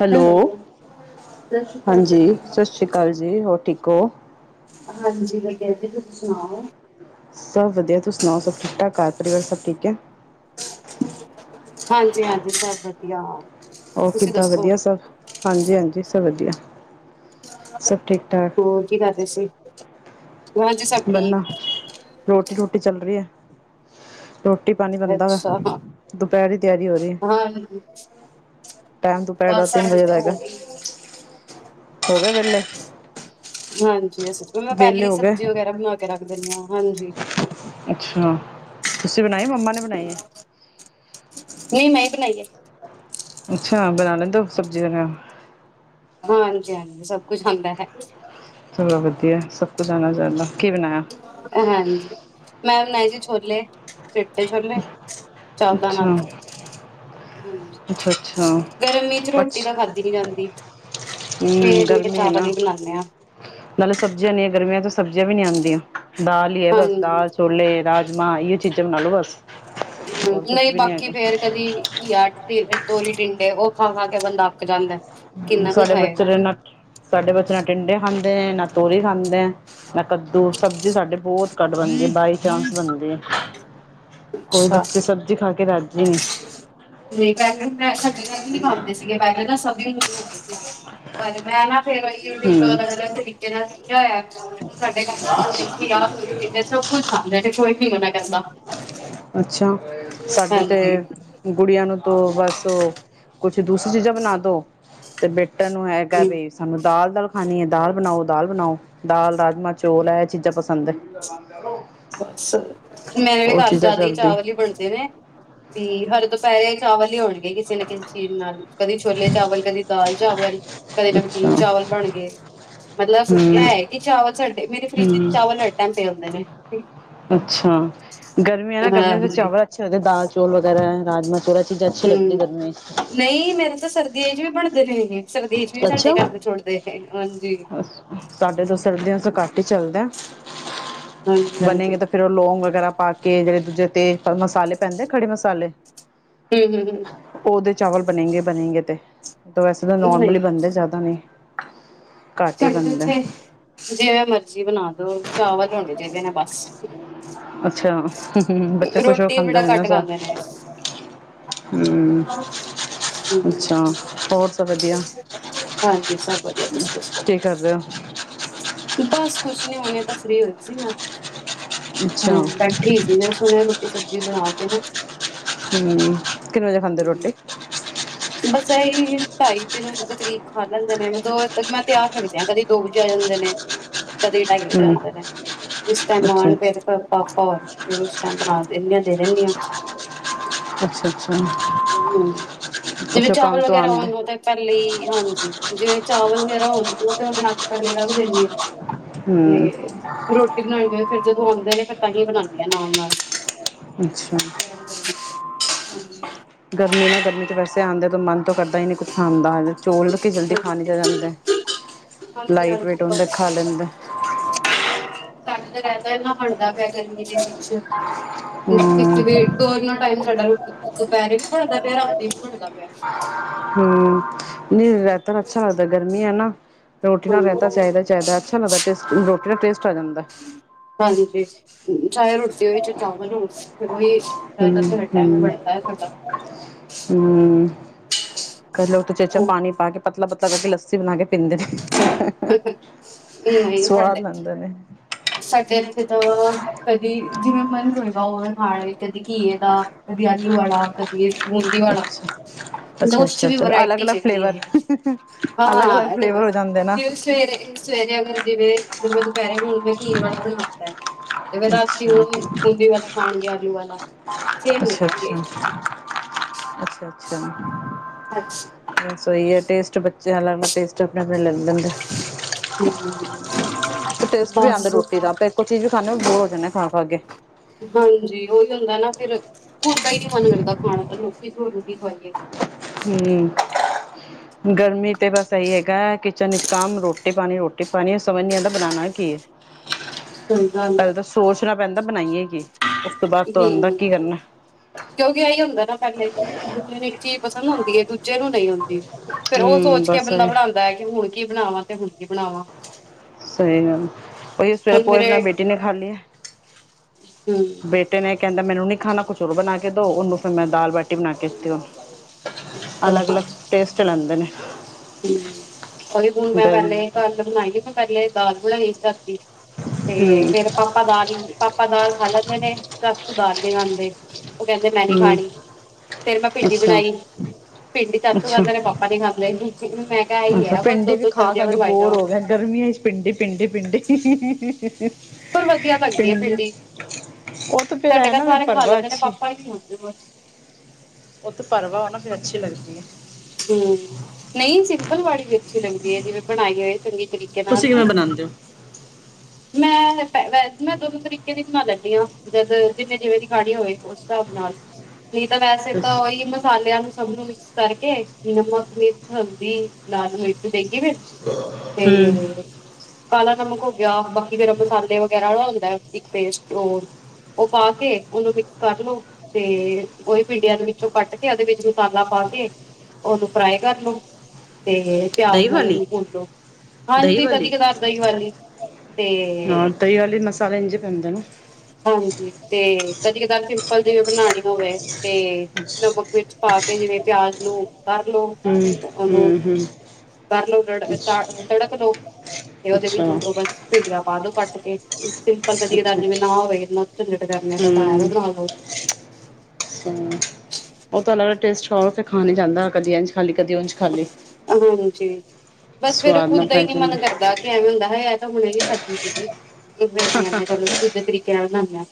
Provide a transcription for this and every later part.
Hello, ਸਤਿ ਸ਼੍ਰੀ ਹਾਂਜੀ ਸਤ ਸ੍ਰੀ ਕਾਲ ਜੀ। ਹੋਰ ਠੀਕ ਕੋ ਹਾਂਜੀ ਮੈਂ ਕੈੰਦੀ ਤੁਸੀਂ ਸੁਣਾਓ? ਸਭ ਵਧੀਆ। ਤੁਸੀਂ ਸੁਣਾਓ, ਸਭ ਠੀਕ-ਠਾਕ, ਘਰ ਪਰਿਵਾਰ ਸਭ ਠੀਕ ਐ? ਹਾਂਜੀ, ਹਾਂਜੀ, ਸਬ ਵਧੀਆ। ਔ ਤੁਸੀਂ ਕਿੱਦਾਂ ਦੱਸੋ ਵਧੀਆ ਸਭ। ਸਭ ਵਧੀਆ ਸਭ ਠੀਕ ਹੋਰ ਕੀ ਕਰਦੇ ਸੀ। ਹਾਂਜੀ ਸਭ ਠੀਕ ਬੰਨਾ ਰੋਟੀ ਰੁਟੀ ਚੱਲ ਰੀ ਐ। ਰੋਟੀ ਪਾਣੀ ਬਣਦਾ ਵਾ ਅੱਛਾ ਹਾਂ ਦੁਪਹਿਰ ਦੀ ਤਿਆਰੀ ਹੋ ਰੀ ਹਾਂਜੀ ਟਾਈਮ ਦੁਪਹਿਰ ਦਾ ਬਸ ਤਿੰਨ ਸਾਡੀ ਵਜੇ ਤੇ ਦਾ ਹੈਗਾ। ਹੋ ਗਈ ਹੋ ਗਏ ਵੇ [unintelligible] ਹਾਂ ਮੈਂ ਪਹਿਲੇ ਹੀ ਸਬਜੀ ਵਗੈਰਾ ਬਣਾ ਕੇ ਰੱਖ ਦੇਨੇ ਆ ਹਾਂਜੀ। ਅੱਛਾ, ਤੁਸੀਂ ਬਣਾਈ ਮੰਮਾ ਨੇ ਬਣਾਈ ਐ? ਨਈ ਮੈਂ ਈ ਬਣਾਈ ਐ। ਅੱਛਾ, ਬਣਾ ਲੈਂਦੇ ਓ ਸਬਜ਼ੀ ਵਗੈਰਾ? ਹਾਂਜੀ, ਹਾਂਜੀ ਸਭ ਕੁਛ ਆਂਦਾ ਐ। ਚਲੋ ਵਧੀਆ ਐ ਸਭ ਕੁਛ ਆਣਾ ਜਾਣਾ, ਕੀ ਬਣਾਇਆ? ਹਾਂਜੀ। ਮੈਂ ਬਣਾਏ ਜੀ ਛੋਲੇ, ਚਿੱਟੇ ਛੋਲੇ। ਅੱਛਾ ਅੱਛਾ ਅੱਛਾ ਗਰਮੀ ਚ ਰੋਟੀ ਅੱਛਾ ਤਾਂ ਖਾਧੀ ਨੀ ਜਾਂਦੀ ਹੂੰ ਫੇਰ ਮੈਂ ਕਿਆ ਗਰਮੀ ਹੈ ਚਾਵਲ ਨਾ ਈ ਬਣਾਨੇ ਆ। ਨਾਲੇ ਸਬਜ਼ੀਆਂ ਨੇ ਗਰਮੀਆਂ ਚ ਸਬਜ਼ੀਆਂ ਵੀ ਨੀ ਆਂਦੀਆਂ। ਦਾਲ ਈ ਐ ਬਸ ਹਾਂਜੀ ਦਾਲ, ਛੋਲ, ਰਾਜਮਾ। ਨ ਯੇ ਚੀਜਾ ਬਣਾ ਲੋਂ ਬਸ। ਹੂੰ, ਹੋਰ ਕੁਝ ਨਈ ਵੀ ਨਹੀਂ ਬਾਕੀ ਹੈਗਾ ਫੇਰ ਕਦੀ [unintelligible] ਤੋਰੀ, ਟਿੰਡੇ ਉਹ ਖਾ-ਖਾ ਕੇ ਬੰਦਾ ਅੱਕ ਜਾਂਦਾ ਐ। ਸਾਡੇ ਬੱਚੇ ਨ ਸਾਡੇ ਬੱਚੇ ਨਾ ਟਿੰਡੇ ਖਾਂ ਨਾ ਤੋਰੀ ਖਾਂਦੇ, ਨਾ ਕੱਦੂ ਸਬਜ਼ੀ ਸਾਡੇ ਬਹੁਤ ਘੱਟ ਬਣਦੀ ਬਾਈ ਚਾਂਸ ਬਣਦੀ ਐ। ਕੋਈ ਅੱਛਾ, ਬੱਚੇ ਸਬਜ਼ੀ ਖਾ ਕੇ ਰਾਜੀ ਨਹੀਂ ਨਹੀਂ ਪਹਿਲੇ ਮੈਂ ਸਾਡੇ ਘਰ ਵੀ ਨੀ ਖਾਂਦੇ ਸੀਗੇ ਪਹਿਲੇ ਤਾਂ ਸਭ ਹਮ [unintelligible] ਪਰ ਮੈਂ ਨਾ ਫੇਿਰ ਉਹੀ ਯੂ ਹੂੰ [unintelligible] ਸਿੱਖਿਆ ਹੋਇਆ। ਸਾਡੇ ਸਭ ਕੁੱਝ ਖਾਂਦਾ ਤੇ ਕੋਈ [unintelligible] [unintelligible] ਅੱਛਾ ਸਾਡੇ ਤੇ ਹਾਂਜੀ, ਗੁੜੀਆਂ ਨੂੰ ਤੋ ਬਸ ਉਹ ਕੁਛ ਦੂਸਰੀ ਚੀਜ਼ਾਂ ਬਣਾ ਦੋ ਤੇ ਬੇ ਿੱਟਣ [unintelligible] ਨੂੰ ਹੈਗਾ ਹਮ, ਬ ਸਾਨੂੰ ਦਾਲ ਦਾਲ ਖਾਣੀ ਹੈ ਦਾਲ ਬਣਾਓ ਪਸੰਦ ਹੈ ਬਸ ਮੇਰੇ ਵੀ ਉਹ ਘਰ ਚੀਜ਼ਾਂ ਜ਼ਿਆਦਾ ਹੀ ਚਲਦੀ ਚਾਵਲ ਹੀ ਬਣਦੇ ਨੇ ਵੀ ਕੀ ਹਰ ਦੁਪਹਿਰੇ ਚਾਵਲ ਲ ਹੋਣਗੇ ਕਿਸੇ ਨਾ ਕਿਸੇ ਚੀਜ਼ ਨਾਲ ਕਦੀ ਛੋਲੇ ਚਾਵਲ ਕਦੀ ਦਾਲ ਚਾਵਲ ਕਦੇ ਅੱਛਾ ਨਮਕੀਨ ਚਾਵਲ ਬਣ ਗਏ ਮਤਲਬ ਹਮ ਸੁਕਆ ਹੋਇਆ ਕਿ ਚਾਵਲ ਸਾਡੇ ਮੇਰੇ ਫਰਿੱਜ ਚ ਹਮ ਚਾਵਲ ਹ ਕਰਦੇ ਜ [unintelligible] ਅੱਛਾ ਗਰਮੀ ਹੈ ਨਾ ਗਰਮੀ ਹਾਂਜੀ ਚਾਵਲ ਅੱਛੇ ਲੱਦੇ ਦਾਲ ਚੌਲ ਵਗੈਰਾ ਹੈ ਹਮ ਨਹੀਂ ਮੇਰੇ ਤਾਂ ਸਰਦੀਆਂ ਚ ਵੀ ਬ ਪਦੇ ਰਹੇਗੇ [unintelligible] ਸਰਦੀ ਚ ਵੀ ਸਾਡੇ ਅੱਛਾ ਘਰ ਦੇ ਛੱਡਦੇ ਹੈ [unintelligible] [unintelligible] ਸਾਡੇ ਤੋਂ ਸਰਦੀਆਂ ਚ ਕੱਟ ਚੱਲਦਾ ਹਾਂਜੀ ਬਣੇ ਹਾਂਜੀ ਗ ਤਾਂ ਫੇਿਰ ਉਹ ਲੋਂਗ ਵਗੈਰਾ ਪਾ ਕੇ ਜਿ ਦੂਜੇ ਤੇ ਮਸਾਲੇ ਪੈਂ ਹਮ ਹਮ ਉਹ ਹਮ ਨਹੀਂ [unintelligible] ਚਡ ਉਥੇ ਜਿਵੇਂ ਮਰਜ਼ੀ ਬਣਾਲੋ ਚਾਵਲ ਹੋਣੇ ਚਾਹੀਦੇ ਨੇ ਬਸ ਅੱਛਾ ਬੱਚੇ ਖੁਸ਼ ਹੋਰ ਰੋਟੀ ਖਾਂਦੇ ਬੜਾ ਹੋਦੇ ਘੱਟ ਆ ਖਾਂਦੇ ਨੇ ਹਮ ਹਮ ਅੱਛਾ ਹੋਰ ਤਾਂ ਵਧੀਆ ਹਾਂਜੀ ਸਭ ਵਧੀਆ ਤੁਸੀਂ ਦੱਸੋ ਠੀ ਕਰ ਰੇ ਹੋ ਬ ਕੁਛ ਨੀ ਹੋਣੇ, ਤਾਂ ਫ੍ਰੀ ਹੋਏ ਸੀ ਮੈਂ ਹਾਂ ਅੱਛਾ ਹਮ ਬੈਠੀ ਸੀ ਸੁਣ ਰੋਟੀ ਸਬਜ਼ੀ ਬਣਾ ਕੇ ਕਿਨੂ ਹਮ ਕਿੰਨੇ ਵਜੇ ਖਾਂਦੇ ਰੋਟੀ? ਬਸ! ਇਹੀ ਢਾਈ ਤਿਨ ਜ ਕਰੀਬ ਖਾ ਲੈਂਦੇ ਨੇ। ਮਤ ਦੋ ਮੈਂ ਤਿਆਰ ਰੱਖਦਿਆਂ ਕਦੇ ਦੋ ਵਜੇ ਆ ਜਾਂਦੇ ਨੇ। ਕਦੇ ਟਾਈ ਤੇ ਹਮ ਜਾਂਦਾ ਰ ਜਿਸ ਟਾਈਮ ਅੱਛਾ ਮ ਪ ਪਾਪਾ ਫਿਰ ਉਸ ਟਾਈਮ ਬਣਾ ਦਿੰਦੀ ਆ ਦੇ ਦਿੰਦੀ ਆ। ਅੱਛਾ- ਅੱਛਾ! ਅੱਛਾ ਹਮ ਜਿਵੇਂ ਅੱਛਾ ਕੰਮ ਚਾਵਲ ਤੋਂ ਵਗੈਰਾ ਆਉਂਦੇ ਹੋਣ ਉਹ ਤੇ ਪਹਿਲੇ ਹਾਂਜੀ ਜੇ ਚਾਵਲ ਵਗੈਰਾ ਹੋਣ ਉਹ ਤਾਂ ਮੈਂ ਬਣਾ ਕੇ ਪਹਿਲੇ ਰੱਖ ਦਿੰਦੀ ਹਾਂ ਹਮ ਤੇ ਰੋਟੀ ਬ ਫਿਰ ਜਦੋਂ ਆਉਂਦੇ ਨੇ ਫਿਰ ਤਾਂਹੀਂ ਬਣਾਉਂਦੀ ਆ ਨਾਲ- ਨਾਲ ਅੱਛਾ ਬਰ ਕਰ [unintelligible] ਗਰਮੀ ਨਾ ਗਰਮੀ 'ਚ ਵੈਸੇ ਆਉਂਦੇ ਤਾਂ ਮਨ ਤੋਂ ਕਰਦਾ ਹੀ ਨਹੀਂ ਕੁਛ ਖਾਂਦਾ ਚੋਲ ਰੱਖ ਜਲਦੀ ਹਾਂਜੀ ਖਾਣੇ ਚ ਜਾਂਦੇ ਹਾਂਜੀ ਲਾਈਟ ਹਾਂਜੀ ਵੇਟ ਹੁੰਦਾ ਬਸ ਖਾ ਲੈਂਦੇ ਘਰ ਤਾਂ ਰਹਿੰਦਾ ਇੰਨਾ ਬਣਦਾ ਪਿਆ ਗਰਮੀ ਦੇ ਹਮ ਦਿਨ ਵੀ ਦੋਨਾ ਟਾਈਮ ਸਾਡਾ ਦੁਪਹਿਰੇ ਵੀ ਬਣਦਾ ਪਿਆ ਰਾਤੀ ਵੀ ਬਣਦਾ ਪਿਆ। ਹਮ! ਨਹੀਂ ਰਹਿਤਾ ਅੱਛਾ ਲੱਦਾ ਗਰਮੀ ਹੈ, ਨਾ ਰੋਟੀ ਨਾਲ ਰਹਿਤਾ ਚਾਹੀਦਾ, ਚਾਹੀਦਾ ਅੱਛਾ ਲੱਗਦਾ ਟੇਸਟ ਰੋਟੀ ਨਾਲ ਟੇਸਟ ਆ ਜਾਂਦਾ। ਹਾਂਜੀ ਚਾਹੇ ਰੋਟੀ ਹੋਏ ਚ ਚਾਵਲ ਹੋ ਫ ਉਹੀ ਰਹਿਤਾ ਹਮ ਸਾਡਾ ਟਾਈਮ ਹਮ ਬਣਦਾ ਹੈ ਸਾਡਾ ਹਮ ਕਰਲੋਓ ਉ ਚੇਚਾ ਪਾਣੀ ਪਾ ਕੇ ਪਤਲਾ- ਪਤਲਾ ਕਰਕੇ ਲੱਸੀ ਬਣਾ ਕੇ ਪੀਂਦੇ ਨੇ ਨਹੀਂ ਸਵਾਦ ਸਾਡੇ ਲੈਂਦੇ ਨੇ। ਸਾਡੇ ਇੱਥੇ ਤਾਂ ਕਦੀ ਜਿਵੇਂ ਮਨ ਹੋਏਗਾ ਹੋਵੇ ਮੇ ਕਦੇ ਘੀ ਦਾ, ਕਦੀ ਆਲੂ ਵਾਲਾ ਕਦੇ ਬੂੰਦੀ ਵਾਲਾ ਅੱਛਾ ਉਸ ਚ ਅੱਛਾ ਵੀ ਅੱਛਾ ਅਲੱਗ ਵਰਾਇਟੀ ਅਲੱਗ ਚਾਹੀਦੀ ਫਲੇਵਰ ਹੈ ਅਲੱਗ ਅਲੱਗ ਹਾਂ ਫਲੇਵਰ ਹੋ ਜਾਂਦੇ ਨਾ ਜਿਵੇਂ ਸਵੇਰੇ ਸਵੇਰੇ ਅਗਰ ਜਿਵੇਂ ਫਿਰ, ਮੈਂ ਦੁਪਹਿਰੇ ਹੋਣ ਘੀ ਵਾਲਾ ਬਨਵਾਤੈ ਤੇ ਫਿਰ ਰਾਤੀ ਅੱਛਾ ਹੁਣ ਹੁੰਦੀ ਵਸ ਖਾਣਗੇ ਆਲੂ ਵਾਲਾ ਸੇਮ ਨੀ ਅੱਛਾ ਖਾਣਗੇ। ਅੱਛਾ ਅੱਛਾ ਅੱਛੀ। ਤੋ ਇਹ ਟੇਸਟ ਬੱਚੇ [unintelligible] ਟੈਸਟ ਆਪਣਾ। [unintelligible] ਇਕ ਟੇਸਟ ਵੀ ਆਂਦਾ ਬਸ ਰੋਟੀ ਦਾ। ਆਪਾਂ ਇੱਕੋ ਚੀਜ਼ ਵੀ ਖਾਂਦੇ ਹਾਂ ਬੋਰ ਹੋ ਜਾਂਦੇ ਆ ਖਾ ਅੱਗੇ। ਹਾਂਜੀ ਉਹੀ ਹੁੰਦਾ ਨਾ ਫਿਰ ਖੁਦ ਦਾ ਈ ਨੀ ਮਨ ਲਗਦਾ ਖਾਣ ਦਾ ਰੋਟੀ ਤੁਹਾਨੂੰ ਕੀ ਖਵਾਈਏ। ਹੁੰ, ਗਰਮੀ ਤੇ ਬਸ ਇਹੀ ਹੈਗਾ, ਕਿਚਨ ਵਿਚ ਕੰਮ ਰੋਟੀ ਪਾਨੀ, ਰੋਟੀ ਪਾਨੀ ਸਮਝ ਨੀ ਆਂਦਾ ਬਨਾਨਾ ਕੀ ਏ। ਸਹੀ ਗੱਲ ਹੈ ਪਹਿਲਾ ਤਾਂ ਸੋਚਨਾ ਪੈਂਦਾ। ਬਨਾਈਏ ਕੀ। ਉਸ ਤੋਂ ਬਾਦ ਤੋਨ ਦਾ ਹਮ ਕੀ ਕਰਨਾ। ਕਿਉਂਕਿ ਏਹੀ ਹੁੰਦਾ ਨਾ ਪਹਿਲੇ [unintelligible] ਦੂਜੇ ਨੂੰ ਇੱਕ ਚੀਜ਼ ਪਸੰਦ ਹੁੰਦੀ। ਦੀਏ ਦੂਜੇ ਨੂੰ ਨਈ ਹੁੰਦੀ। ਫੇਰ ਉਹ ਹਮ ਸੋਚ ਕੇ ਬਸ ਬੰਦਾ ਬਨਾਣਦਾ ਏ ਕਿ ਹੁਨ ਕੀ ਬਣਾਵਾਂ। ਹੁਣ ਕੀ ਬਣਾਵਾਂ। ਸਹੀ ਗੱਲ, ਉਹੀ ਸਵੇਰੇ ਹੁਣ ਪੋਏ ਬਣਾ ਮੇਰੇ ਬੇਟੀ ਨੇ ਖਾ ਲੀਏ। ਬੇਟੇ ਨੇ ਕੇਂਦਾ ਮੈਨੂੰ ਨੀ ਖਾਨਾ ਕੁੱਛ ਹੋਰ ਬਨਾ ਕੇ ਦੋ। ਉਹਨੂੰ ਹੁਣ ਫੇਰ ਮੈਂ ਦਾਲ ਬਾਟੀ ਬਣਾ ਕੇ ਦਿੱਤੀ। ਅਲੱਗ, ਅਲੱਗ ਟੇਸਟ ਲੈਂਦੇ ਨੇ। [inaudible] [unintelligible] ਅਰੇ ਹੁਨ ਮੈਂ ਗਰਮ ਪਹਿਲੇ ਘਰ ਬਨਾਈ [unintelligible] ਮੈਂ ਪਹਿਲੇ ਦਾਲ। [unintelligible] ਤੇ ਹਮ ਫੇਰ ਪਾਪਾ ਦਾਲ ਈ ਹੁੰਦੀ ਪਾਪਾ ਦਾਲ ਖਾ ਲੈਂਦੇ ਨੇ। [unintelligible] ਉਹ ਕਹਿੰਦੇ ਮੈਂ ਨੀ ਹਮ ਖਾਨੀ, ਫੇਰ ਮੈਂ ਭਿੰਡੀ ਅੱਛਾ ਬਣਾਈ। ਭਿੰਡੀ ਚਾਚੂ ਖਾਂਦੇ ਨੇ, ਪਾਪਾ ਨੀ ਖਾਂਦੇ। [inaudible] ਅੱਝਾ, ਹੈ ਬਸ ਦੋ ਭਿੰਡੀ ਵੀ ਦੋ ਖਾ, ਸਬਜ਼ੀਆਂ ਖਾ ਕੇ ਬਣਵਾਈ ਬੋਰ ਜਾਓ ਹੋ ਗੇਆ। ਗਰਮੀਆ ਚ ਭਿੰਡੀ, ਭਿੰਡੀ, ਭਿੰਡੀ। [inaudible] ਸਾਨੂੰ ਵਧੀਆ ਲੱਗਦੀ ਏ ਭਿੰਡੀ। ਉਹ ਤਾਂ ਫਿਰ ਸਾਡੇ ਹੈ ਘਰ ਨਾ ਫਿਰ ਸਾਰੇ ਖਾ ਭਰਵਾ ਲੈਂਦੇ ਨੇ, ਅੱਛੀ ਪਾਪਾ ਈ ਨਹੀਂ ਖਾਂਦੇ ਬਸ। ਉਹ ਤੇ ਭਰਵਾ ਹੋ ਨਾ ਤੇ ਅੱਛੀ ਲੱਗਦੀ ਐ। ਹੁੰ, ਨਹੀਂ ਸਿੰਪਲ ਵਾਲੀ ਵੀ ਅੱਛੀ ਲੱਗਦੀ ਏ, ਜਿਵੇਂ ਬਣਾਈ ਹੋਏ। ਚੰਗੇ ਤਰੀਕੇ ਨਾਲ। ਤੁਸੀਂ ਕਿਵੇਂ ਬਣਾਉਂਦੇ ਹੋ ਮੈਂ [unintelligible] ਮੈਂ ਦੋਨੋ ਤਰੀਕੇ ਦੀ ਬਨਾ ਲੈਂਦੀ ਆਂ। ਜਦ ਜਿੰਨੇ ਜਿਵੇਂ ਦੀ ਖਾਣੀ ਹੋਵੇ, ਉਸ ਹਿਸਾਬ ਨਾਲ। ਨਈ ਤਾਂ ਵੈਸੇ ਤਾਂ ਉਹੀ ਮਸਾਲਿਆਂ ਨੂੰ ਸਭ ਨੂੰ ਮਿਕਸ ਕਰਕੇ ਨਮਕ ਮਿਰਚ, ਹਲਦੀ, ਲਾਲ ਮਿਰਚ, ਦੇਗੀ ਮਿਰਚ ਹੂੰ ਤੇ ਕਾਲਾ ਨਮਕ ਹੋ ਗਿਆ ਬਾਕੀ ਗਰਮ ਮਸਾਲੇ ਵਗੈਰਾ ਵਾ ਏ ਇੱਕ ਪੇਸਟ ਉਹ ਉਹ ਪਾ ਕੇ ਓਨੂੰ ਮਿਕਸ ਕਰ ਲੋ ਤੇ ਉਹੀ ਭਿੰਡੀਆਂ ਨੂੰ ਵਿੱਚੋਂ ਕੱਟ ਕੇ ਉਹਦੇ ਵਿੱਚ ਮਸਾਲਾ ਪਾ ਕੇ ਓਨੂੰ ਫਰਾਈ ਕਰ ਲੋ। ਤੇ ਦਹੀਂ ਪਿਆਜ ਨਾਲ ਵਾਲੀ ਓਨੂੰ ਭੁੰਨ ਲੋ, ਦਹੀਂ ਹਾਂਜੀ ਕਦੀ ਵਾਲੀ ਕਧਾਰ ਦਈਂ ਵਾਲੀ ਤੇ ਹਾਂ ਦਹੀਂ ਵਾਲੇ ਮਸਾਲੇ ਇੰਝ ਪੈਂਦੇ ਨਾ ਹਾਂਜੀ ਤੇ ਕਦੀ ਕਰਾਰ ਭਿੰ ਹਲਦੀ ਵੀ ਬਣਾਣੀ ਬੋਵੇ। ਤੇ ਨਮਕ ਮਿਰਚ ਪਾ ਕੇ ਜਿਵੇਂ ਪਿਆਜ ਨੂੰ ਕਰ ਲੋ, ਹੂੰ ਉਹਨੂੰ ਹੂੰ ਹੂੰ ਕਰ ਲੋ ਰੜਕ ਤ ਅੱਛਾ ਤੜਕ ਲੋ ਤੇ ਉਹਦੇ ਅੱਛਾ ਵਿੱਚੋ ਬਸ ਪਾ ਦੋ ਕੱਟ ਕੇ ਇੱਕ ਸਿੰਪਲ ਕਦੀ ਅੱਛਾ ਕਰਾਰ ਹੂੰ ਜਿਵੇਂ ਨਾ ਅੱਛਾ। ਹੋਵੇ। ਨਾ ਝੰਜਟ ਕਰਨੇ ਦਾ ਘਾਰ ਬਣਾਵੋ। ਸਟੋਲ ਤੇ ਖਾਣ ਜਾਂਦਾ ਕਦੇ ਐਂਜ ਖਾਲੀ ਕਦੀ ਉਂਝ ਖਾਲੀ ਹਾਂਜੀ, ਹਾਂਜੀ, ਬਸ ਫਿਰ ਸਵਾਦ ਨਾ ਖੁੱਦ ਦਾ ਹੀ ਪੈ ਨੀਂ ਮਨ ਜਾਂਦੇ ਕਰਦਾ ਕਿ ਐਵੇਂ ਹੁੰਦਾ ਐ। ਏ ਤਾਂ ਹੁੰਦਾ ਨ੍ਹੀਂ [inaudible] ਇਕ ਦਿ ਮੈਂ ਕਿਆ ਚਲੋ ਦੂਜੇ ਤਰੀਕੇ ਨਾਲ ਬਣਾਣੇ ਆਂ।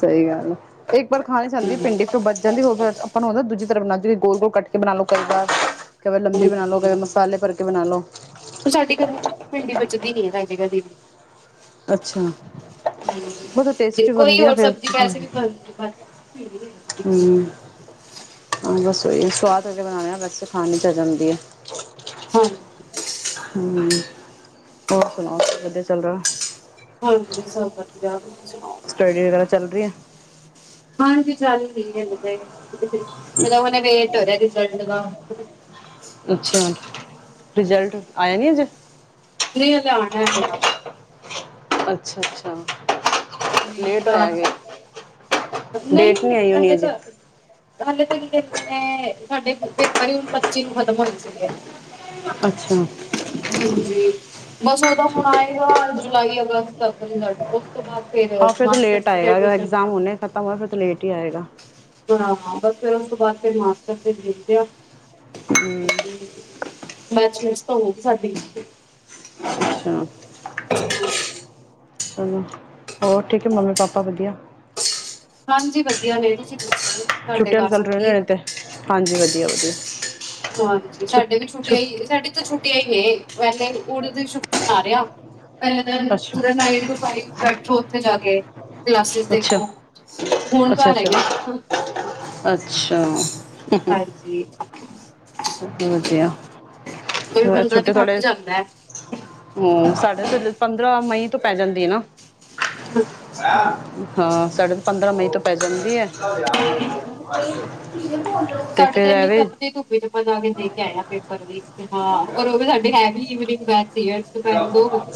ਸਹੀ ਗੱਲ ਆ। ਇੱਕ ਵਾਰ ਖਾਣੀ ਈ ਜਾਂਦੀ ਡਿੰਡੀ, ਹਮ ਫਿਰ ਬਚ ਜਾਂਦੀ ਓ ਫਿਰ ਆਪਾਂ ਨੂੰ ਹੁੰਦਾ ਦੂਜੀ ਤਰ੍ਹਾਂ ਬਣਾ ਜਿਰੀ ਗੋਲ ਗੋਲ‌ ਕਟ ਕਿ ਬਣਾ ਲਓ ਕਈ ਵਾਰ। ਕਈ ਵਾਰ ਲੰਬੀ ਬਣਾ ਲਓ, ਕਦੇ ਮਸਾਲੇ ਭਰ ਕੇ ਬਣਾ ਲਓ। ਉਹ ਸਾਡੇ ਘਰ ਚ ਭਿੰਡੀ ਬਚਦੀ ਨੀਂ ਏ। [unintelligible] ਕਦੀ ਵੀ ਅੱਛਾ- ਬੜੀ ਟੇਸਟੀ ਕੋਈ ਬਣਦੀ ਨਾ ਹੋਰ ਫੇਰ ਸਬਜ਼ੀ ਵੈਸੇ ਵੀ [unintelligible] ਬਣਦੀ ਬਾਕੀ ਭਿੰਡੀ ਨੀ ਬਚਦੀ ਹਂ ਕਦੀ ਬਸ ਉਹੀ ਸਵਾਦ ਅਗਰ ਬਣਾਣਾ ਬਸ ਖਾਣੀ ਤਾਂ ਜਾਂਦੀ ਆ [unintelligible] ਹੂੰ, ਹੋਰ ਸੁਣਾਓ ਸਭ ਵਧੀਆ ਚੱਲਦਾ। ਹਾਂਜੀ ਸਭ ਵਧ ਵਧੀਆ। ਸੁਣਾਓ ਸਟਡੀ ਵਗੈਰਾ ਚੱਲ ਰੀਏ। ਚੱਲ ਰੀ ਅਲੇ ਤੇ [unintelligible] ਵੇਟ ਹੋ ਰਿਹਾ ਰਿਜ਼ਲਟ ਦਾ। [inaudible] ਅੱਛਾ ਰਿਜ਼ਲਟ ਆਇਆ ਨੀ, ਅਜੇ! ਨਈ ਹਲੇ ਆਣਾ ਮੇਰਾ ਅੱਛਾ ਅੱਛਾ। ਲੇਟ ਹੋਇਆਗੇ। ਲਾਸਟ ਨਹੀਂ ਮਨੇ ਤਾਂ ਹਲੇ ਤਾਂ ਕੀ ਕਹਿੰਦੇ ਨੇ ਸਾਡੇ ਪੇਪਰ ਹੀ ਹੁਣ ਪੱਚੀ ਨੂੰ ਖ਼ਤਮ ਹੋਏ ਸੀਗੇ। ਅੱਛਾ ਹਾਂਜੀ। ਬਸ ਉਹ ਤਾਂ ਹੁਣ ਆਏਗਾ। ਜੁਲਾਈ ਅਗਸਤ ਤੱਕ ਰਿਜਲਟ ਆਉ। ਹਾਂ ਫਿਰ ਤਾਂ ਲੇਟ ਆਏਗਾ ਐਗਜ਼ਾਮ ਹਣੇ। ਤਾਂ ਫਿਰ ਲੇਟ ਹੀ ਆਏਗਾ। ਹਾਂ ਬਸ ਫਿਰ ਉਸ ਤੋਂ ਬਾਅਦ ਫਿਰ ਮਾਸਟਰ ਤੇ ਭੇਜਿਆ। [unintelligible] ਮੈਚਮੇਟਸ ਤਾਂ ਹੋਗੀ ਸਾਡੀ। ਅੱਛਾ। [unintelligible] ਚਲੋ ਹੋਰ ਠੀਕ ਹੈ ਮੰਮੀ ਪਾਪਾ ਵਧੀਆ। ਹਾਂਜੀ ਵਧੀਆ ਨੇੜ ਤੁਸੀ ਦ ਛੁੱਟੀਆਂ ਰਿਜ਼ਲਟ ਰਹਿੰਦੇ ਹੋਣੇ ਤੇ, ਹਾਂਜੀ ਵਧੀਆ ਵਧੀਆ। ਹਾਂਜੀ ਸਾਡੇ ਵੀ ਛੁੱਟ ਛੁੱਟੀਆਂ ਛੁੱਟ ਹੀ ਸਾਡੇ ਤਾਂ ਛੁੱਟੀਆਂ ਹੀ ਨੇ। ਵੈਸੇ ਉੜਦੇ ਸ਼ੁਕ ਆ ਰਿਹਾ ਪਹਿ ਅੱਛਾ ਪੂਰਾ ਨਾਈਨ ਟੂ ਫਾਈਵ, ਬੈਠੋ ਉੱਥੇ ਜਾ ਕੇ। ਕਲਾਸਿਸ ਅੱਛਾ ਦੇਖੋ, ਹੁਣ ਅੱਛਾ ਘਰ ਅੱਛਾ ਹੈਗਾ, ਅੱਛਾ ਹਾਂਜੀ। ਕੋਈ [unintelligible] ਬੰਦਾ ਵੀ ਛੋਟੇ ਥੱਕ ਥੋੜੇ, ਜਾਂਦਾ ਹੂੰ ਸਾਡੇ ਥੱਲੇ ਪੰਦਰਾਂ, ਮਈ ਤੋਂ ਪੈ ਜਾਂਦੀ ਹੈ ਨਾ। ਹੈ ਹੈਂ। ਹਾਂ ਸਾਡੇ ਤੋਂ ਪੰਦਰਾਂ ਮਈ ਤੋਂ ਪੈ ਜਾਂਦੀ ਹੈ। ਸਾਡੇ ਤੇ ਫਿਰ ਇੰਨੀ [unintelligible] ਜਾ ਐਵੇਂ ਕੇ ਆਇਆ ਪੇਪਰ ਵੀ। ਹਾਂ [unintelligible] ਉਹ ਵੀ ਸਾਡੇ ਹੈਵੀ ਈਵਨਿੰਗ ਬੈਚ [unintelligible] ਅ ਸੀ ਦੁਪਹਿਰ ਵਜੇ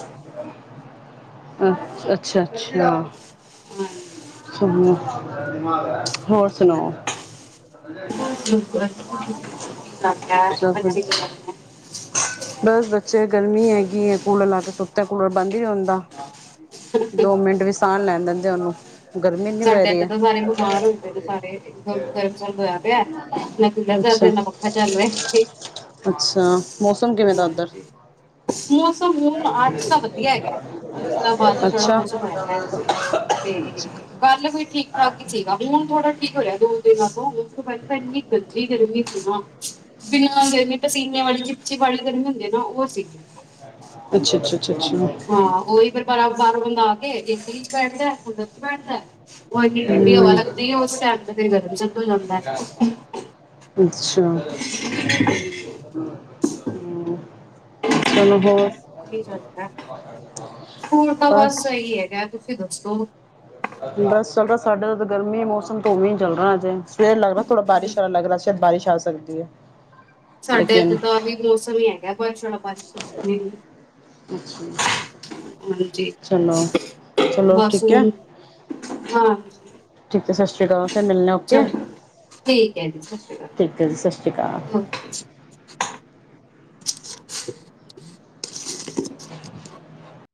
ਅੱਛਾ। ਅੱਛਾ ਹਾਂ। ਹਾਂਜੀ ਹੋਰ ਸੁਣਾਓ ਬਸ ਵਧੀਆ। ਤੁਸੀਂ ਸੁਣਾਓ ਕੀ ਕਰ ਰਿਹਾ ਅਛਾ ਫਿਰ ਬੱਚੇ ਕੀ ਕਰ ਰਹੇ ਬਸ ਬੱਚੇ ਗਰਮੀ ਹੈਗੀ ਕਿ ਕੂਲਰ ਲਾਗੇ ਸੁੱਤੇ ਕੂਲਰ ਬੰਦ ਹੀ ਰਿੰਦਾ ਦੋ ਮਿੰਟ ਵਿੱਚ ਲੈਣ ਦਿੰਦੇ ਉਹਨੂੰ ਗਰਮੀ ਨਹੀਂ ਪੈ ਸਾਡੇ ਰਹੀ ਚ ਹੈ ਤਾਂ ਸਾਰੇ ਬਿਮਾਰ ਹੋ ਪਏ ਨੇ ਸਾਰੇ ਗ ਗਰਮ ਚਰ ਹੋਇਆ ਪਿਆ ਨਾ ਪੀਲਾਾ ਚੱਲ ਅੱਛਾ ਰਿਹਾ ਨਾ ਪੱਖਾ ਚੱਲ ਰਿਹਾ ਅੱਛਾ ਮੌਸਮ ਕਿਵੇਂ ਦਾ ਉੱਧਰ ਹੁਣ ਅੱਜ ਤਾਂ ਵਧੀਆ ਹੈਗਾ ਅੱਜ ਤਾਂ ਬਾਰਿਸ਼ ਵਾਲਾ ਅੱਛਾ ਮੌਸਮ ਹੈਗਾ ਹੈ ਤੇ ਗੱਲ ਵੀ ਠੀਕ ਠਾਕ ਥੋੜਾ ਠੀਕ ਹੋ ਰਿਹਾ ਦੋ ਦਿਨਾਂ ਤੋਂ ਉਸ ਤੋਂ ਪਹਿਲ ਤਾਂ ਇੰਨੀ ਗਦੀ ਗਰਮੀ ਸੀ ਨਾ ਬਿਨਾਂ ਗਰਮੀ ਪਸੀਨੇ ਵਾਲੀ ਚਿਪਚੀ ਵਾਲੀ ਗਰਮੀ ਹੁੰਦੀ ਨਾ ਉਹ ਸੀਗੀ ਅੱਛਾ ਅੱਛਾ ਅੱਛਾ ਅੱਛਾ ਬਾਰ ਬਾਰਾਂ ਬੰਦਾ ਆ ਕੇ ਜੇਤ ਚ ਬੈਠਦਾ ਹੁੰਡ ਚ ਬੈਠਦਾ ਉਹ ਐੰਨੀ ਠੰਡੀ ਹਵਾ ਹਮ ਲੱਗਦੀ ਹੈ ਉਸ ਟਾਈਮ ਫਿਰ ਘਰ ਵੀਦਾ ਦੋ ਲੰਦਾਾਰ ਅੱਛਾ ਹਮ ਚਲੋ ਹੋਰ ਸਕੂਲ ਤਾਂ ਬਸ ਇਹੀ ਹੈਗਾ ਦੋਸਤੋ ਬਸ ਚੱਲ ਸਾਡਾ ਗਰਮੀ ਮੌਸਮ ਤੋਂ ਉਵੇਂ ਚੱਲਣਾ ਸਵੇ ਲੱਗ ਦਾ ਬਾਰਿਸ਼ਾ ਲੱਗ ਬਾਰਿ ਜਾ ਸਕਦੀ ਹੈ ਸਾਡੇ ਇੱਥੇ ਲੇਕਿਨ ਤਾਂ ਆਹੀ ਮੌਸਮ ਹੀ ਹੈਗਾ [inaudible] ਅੱਛਾ, ਹਾਂਜੀ ਚਲੋ ਚਲੋ ਬਸ ਠੀਕ ਹੈ ਹੁਣ ਹਾਂ ਹ ਸਤਿ ਸ਼੍ਰੀ ਅਕਾਲ ਫਿਰ ਮਿਲਣਾ ਓਕੇ ਠੀਕ ਹੈ ਜੀ ਸਤਿ ਸ਼੍ਰੀ ਅਕਾਲ ਠੀਕ ਹੈ ਜੀ ਸਤਿ ਸ੍ਰੀ ਅਕਾਲ ਹ